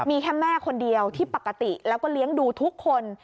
มีแค่แม่คนเดียวที่ปกติแล้วก็เลี้ยงดูทุกคน